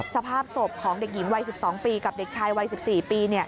สภาพศพของเด็กหญิงวัย๑๒ปีกับเด็กชายวัย๑๔ปี